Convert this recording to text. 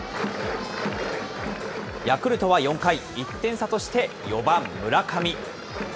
ヤクルトは４回、１点差として４番村上。